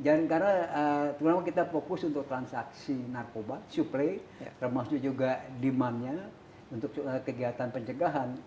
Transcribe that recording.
dan karena terlalu kita fokus untuk transaksi narkoba supply termasuk juga demandnya untuk kegiatan pencegahan